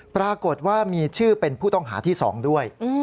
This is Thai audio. ปรากฏว่ามีชื่อเป็นผู้ต้องหาที่๒ด้วย